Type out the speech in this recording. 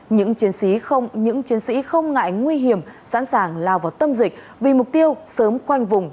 những chiến sĩ không ngại nguy hiểm sẵn sàng lao vào tâm dịch vì mục tiêu sớm khoanh vùng